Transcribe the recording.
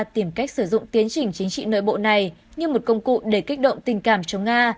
tìm cách sử dụng tiến trình chính trị nội bộ này như một công cụ để kích động tình cảm cho nga